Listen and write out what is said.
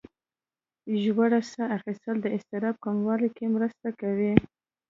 ژوره ساه ایستل د اضطراب کمولو کې مرسته کوي.